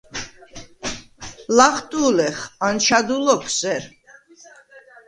ლახტუ̄ლეხ: “ანჩადუ ლოქ სერ”.